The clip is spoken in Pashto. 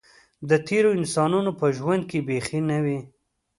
د تېرو انسانانو په ژوند کې بیخي نه وې.